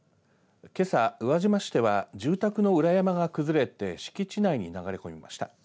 けさ、宇和島市では住宅の裏山が崩れて敷地内に流れ込みました。